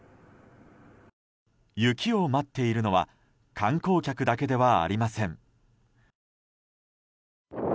雪を待っているのは観光客だけではありません。